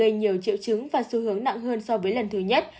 có thể gây nhiều triệu chứng và xu hướng nặng hơn so với lần thứ nhất